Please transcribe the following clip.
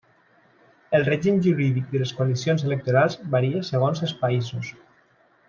El règim jurídic de les coalicions electorals varia segons els països.